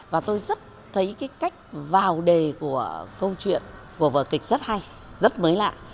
và tôi rất thấy cái cách vào đề của câu chuyện của vở kịch rất hay rất mới lạ